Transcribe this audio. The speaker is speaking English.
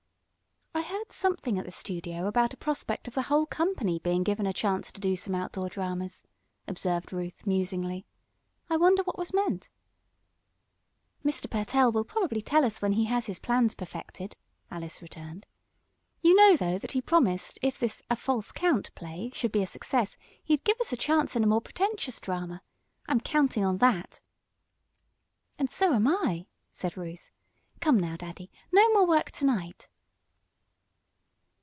"I heard something at the studio about a prospect of the whole company being given a chance to do some outdoor dramas," observed Ruth, musingly. "I wonder what was meant?" "Mr. Pertell will probably tell us when he has his plans perfected," Alice returned. "You know, though, that he promised if this 'A False Count' play should be a success he'd give us a chance in a more pretentious drama. I'm counting on that." "And so am I," said Ruth. "Come, now, Daddy. No more work to night."